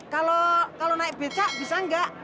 kalau kalau naik beca bisa enggak